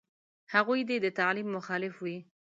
هغوی دې د تعلیم مخالف وي.